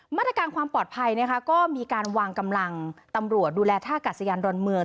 มาตรการความปลอดภัยนะคะก็มีการวางกำลังตำรวจดูแลท่ากาศยานดอนเมือง